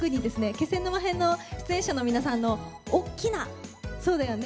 気仙沼編の出演者の皆さんの大きなそうだよね